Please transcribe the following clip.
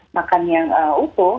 makan yang utuh